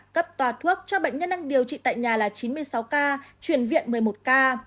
cấp tòa thuốc cho bệnh nhân đang điều trị tại nhà là chín mươi sáu ca chuyển viện một mươi một ca